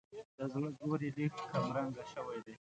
د زړه زور یې لږ کمرنګه شوی دی.